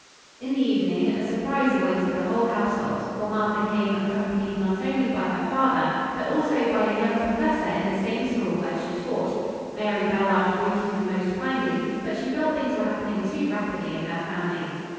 In the evening a surprise awaited the whole household, for Martha came, accompanied not only by her father, but also by a young professor in the same school where she taught. Mary Ballard greeted him most kindly, but she felt things were happening too rapidly in her family.